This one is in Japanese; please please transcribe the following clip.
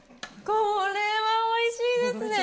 これはおいしいですね。